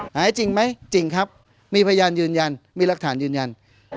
หายจริงไหมจริงครับมีพยานยืนยันมีรักฐานยืนยัน